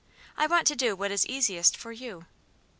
I want to do what is easiest for you.